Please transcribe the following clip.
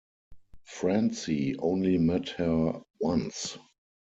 Francie only met her once.